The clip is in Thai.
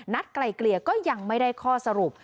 ไกลเกลี่ยก็ยังไม่ได้ข้อสรุป